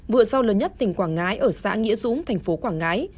vựa rau lớn nhất tỉnh quảng ngãi ở xã nghĩa dũng thành phố quảng ngãi